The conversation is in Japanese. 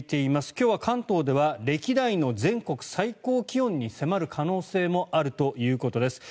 今日は関東では歴代の全国最高気温に迫る可能性もあるということです。